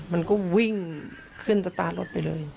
มันก็วิ่งขึ้นตะตารถไปเลย